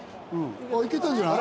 あっいけたんじゃない？